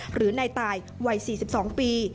หรือนายตายวัย๔๒ปี